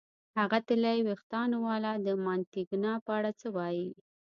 هغه طلايي وېښتانو والا، د مانتیګنا په اړه څه وایې؟